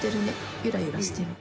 ゆらゆらしてる。